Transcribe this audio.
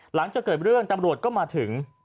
หลังจากเกิดเรื่องตำรวจก็มาถึง